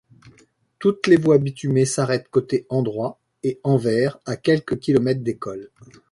Toutes les voies bitumées s’arrêtent côté endroit et envers à quelques kilomètres des cols.